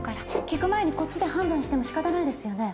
聞く前にこっちで判断しても仕方ないですよね？